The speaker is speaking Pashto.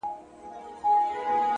د فکر نظم د پرېکړې کیفیت لوړوي